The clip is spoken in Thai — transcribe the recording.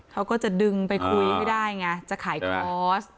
เขาก็จะดึงไปคุยให้ได้ไงจะขายคอร์ส